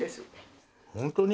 ホントに？